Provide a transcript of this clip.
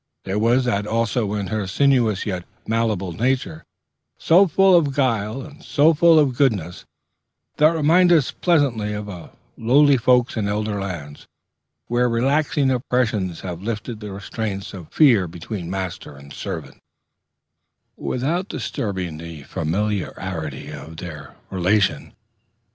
There was that also in her sinuous yet malleable nature, so full of guile and so full of goodness, that reminded us pleasantly of lowly folks in elder lands, where relaxing oppressions have lifted the restraints of fear between master and servant, without disturbing the familiarity of their relation.